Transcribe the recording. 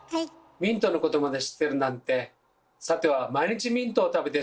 ミントのことまで知ってるなんてさてははい！